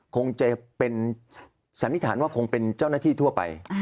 คงจะเป็นสันนิษฐานว่าคงเป็นเจ้าหน้าที่ทั่วไป